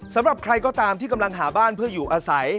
สำหรับใครก็ตามที่กำลังหาบ้านเพื่ออยู่อาศัย